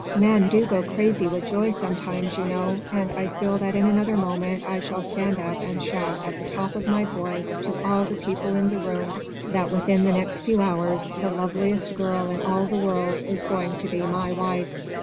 Men do go crazy with joy sometimes, you know, and I feel that in another moment I shall stand up and shout at the top of my voice to all the people in the room that within the next few hours the loveliest girl in all the world is going to be my wife."